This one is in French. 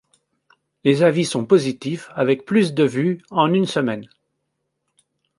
Les avis sont positifs avec plus de vues en une semaine.